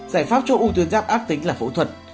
giải pháp cho u tuyến ráp ác tính là phẫu thuật